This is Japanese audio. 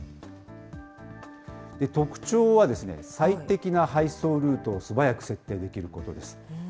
特徴は、最適な配送ルートを素早く設定できることです。